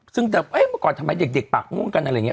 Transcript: ซึ่งแต่เมื่อก่อนทำไมเด็กปากม่วงกันอะไรอย่างนี้